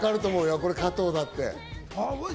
これ加藤だって。